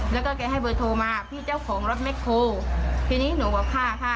แล้วก็แกให้เบอร์โทรมาพี่เจ้าของรถแคลทีนี้หนูบอกค่ะ